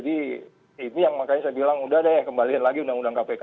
jadi ini yang makanya saya bilang sudah deh kembalikan lagi undang undang kpk itu ya